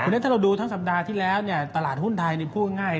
ทีนี้ถ้าเราดูทั้งสัปดาห์ที่แล้วตลาดหุ้นไทยพูดง่าย